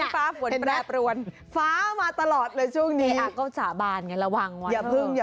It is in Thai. เอก๊ก็สาบานกันระวังวะ